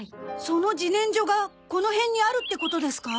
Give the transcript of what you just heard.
そのじねんじょがこの辺にあるってことですか？